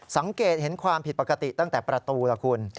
สังเกตเห็นความผิดปกติตั้งแต่ประตูล่ะคุณ